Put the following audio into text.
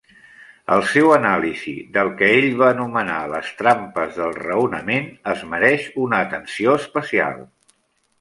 El seu anàlisi del que ell va anomenar "les trampes del raonament" es mereix una atenció especial.